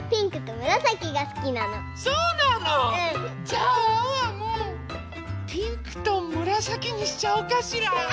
じゃあワンワンもピンクとむらさきにしちゃおうかしら。